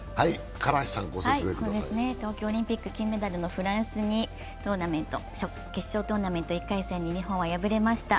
東京オリンピック金メダルのフランスに決勝トーナメント１回戦で日本は敗れました。